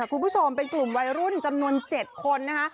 คุณผู้ชมเป็นกลุ่มวัยรุ่นจำนวน๗คนนะคะ